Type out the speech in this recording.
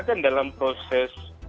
kan dalam proses